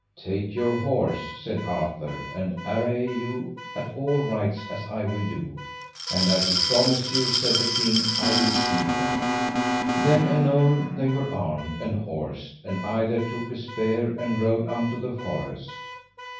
Take your horse, said Arthur, and array you at all rights as I will do, and I promise you, said the king, I will see her. Then anon they were armed and horsed, and either took a spear and rode unto the forest.